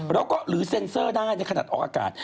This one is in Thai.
แล้วก็หรือเซ็นเซอร์ได้ในขณะออกอากาศ